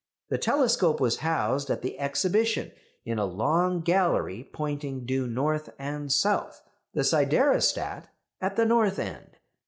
The telescope was housed at the Exhibition in a long gallery pointing due north and south, the siderostat at the north end.